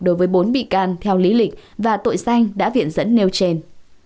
đối với bốn bị can theo lý lịch và tội danh đã viện dẫn nêu trên